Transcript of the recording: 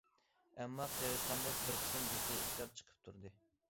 ئەمما قېرىشقاندەك بىر قىسىم جىددىي ئىشلار چىقىپ تۇردى.